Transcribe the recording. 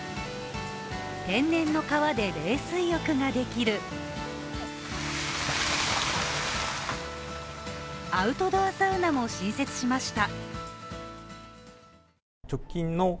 天然の川で冷水浴ができるアウトドアサウナも新設しました。